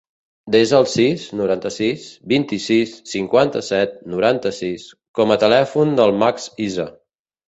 Desa el sis, noranta-sis, vint-i-sis, cinquanta-set, noranta-sis com a telèfon del Max Iza.